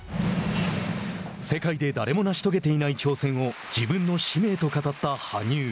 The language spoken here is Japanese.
世界で誰も成し遂げていない挑戦を自分の使命と語った羽生。